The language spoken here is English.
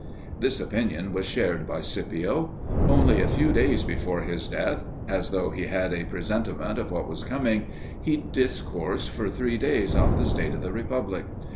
This opinion was shared by Scipio. Only a few days before his death as though he had a presentiment of what was coming he discoursed for three days on the state of the republic.